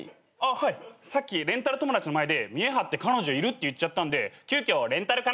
はいさっきレンタル友達の前で見え張って彼女いるって言っちゃったんで急きょレンタル彼女しました。